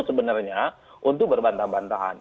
sebenarnya untuk berbantah bantahan